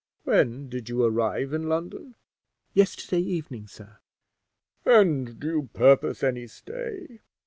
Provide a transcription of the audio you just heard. "When did you arrive in London?" "Yesterday evening, sir." "And do you purpose any stay?"